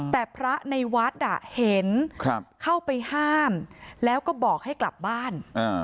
แต่พระในวัดเห็นเข้าไปห้ามแล้วก็บอกให้กลับบ้าน